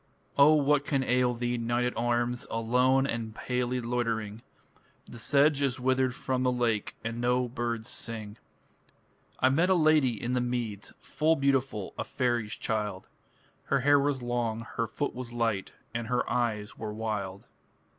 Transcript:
O what can ail thee, knight at arms, Alone and palely loitering? The sedge is withered from the lake And no birds sing. I met a lady in the meads, Full beautiful a faery's child; Her hair was long, her foot was light, And her eyes were wild.